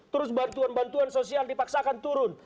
terus bantuan bantuan sosial dipaksakan turun